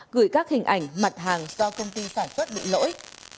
gửi các hình ảnh mặt hàng do công ty sản xuất bị lỗi